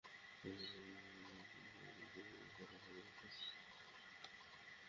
তোমাদের মুরুব্বিদের বলো আমাদের মুরুব্বিদের সাথে এসে কথা বলতে।